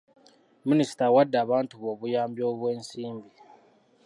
Minisita awadde abantu be obuyambi obw'ensimbi.